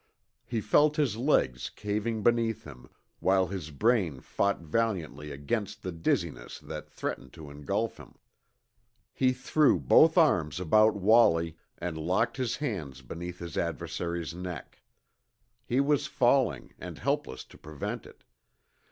He felt his legs caving beneath him, while his brain fought valiantly against the dizziness that threatened to engulf him. He threw both arms about Wallie and locked his hands behind his adversary's neck. He was falling, and helpless to prevent it.